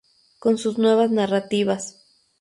con sus nuevas narrativas